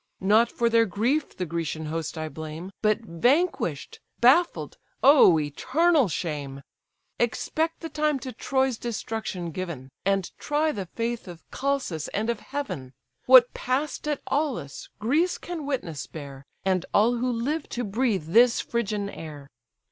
Not for their grief the Grecian host I blame; But vanquish'd! baffled! oh, eternal shame! Expect the time to Troy's destruction given. And try the faith of Chalcas and of heaven. What pass'd at Aulis, Greece can witness bear, And all who live to breathe this Phrygian air.